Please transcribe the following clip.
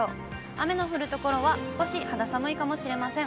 雨の降る所は少し肌寒いかもしれません。